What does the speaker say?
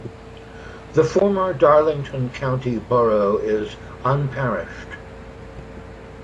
The former Darlington County Borough is unparished.